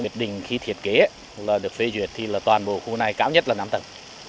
biết định khi thiết kế là được phê duyệt thì toàn bộ khu này cao nhất là năm tầng